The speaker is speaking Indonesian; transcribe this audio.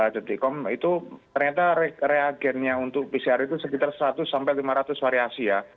detik com itu ternyata reagennya untuk pcr itu sekitar seratus lima ratus variasi ya